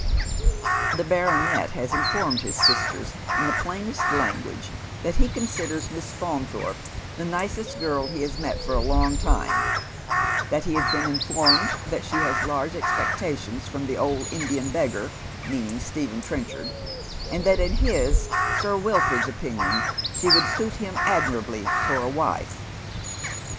The baronet has informed his sisters in the plainest language that he considers Miss Faunthorpe the nicest girl he ba« met for a long time, that he has been informed that she has large expec tations from the old Indian beggar, meaning Stephen Trenchard, and that in his, Sir WUford's opinion, she would suit him admir ably for a wife.